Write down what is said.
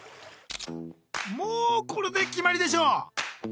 もうこれで決まりでしょ？